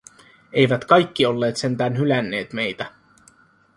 Eivät kaikki olleet sentään hylänneet meitä.